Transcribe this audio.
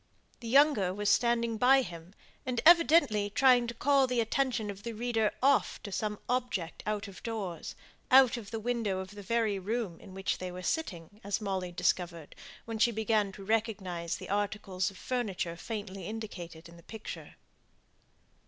The younger was standing by him, and evidently trying to call the attention of the reader off to some object out of doors out of the window of the very room in which they were sitting, as Molly discovered when she began to recognize the articles of furniture faintly indicated in the picture.